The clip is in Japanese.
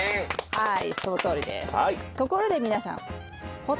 はい。